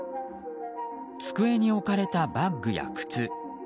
机に置かれたバッグや靴。